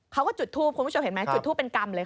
เขาก็จุดทูปคุณผู้ชมเห็นไหมจุดทูปเป็นกรรมเลยค่ะ